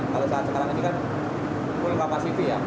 kalau saat sekarang ini kan full capacity ya